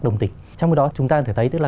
trong khi đó chúng ta có thể thấy tức là